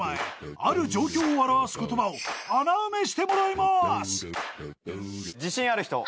［ある状況を表す言葉を穴埋めしてもらいます］